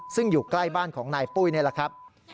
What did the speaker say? ซึ่งอยู่ใกล้บ้านของนายปุ้ยนี่แหละครับ